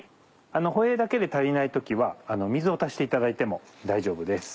ホエーだけで足りない時は水を足していただいても大丈夫です。